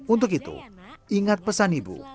untuk itu ingat pesan ibu